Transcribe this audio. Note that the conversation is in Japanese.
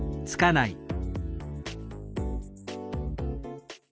つかない。